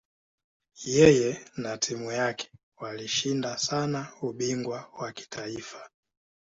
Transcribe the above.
Yeye na timu yake walishinda sana ubingwa wa kitaifa.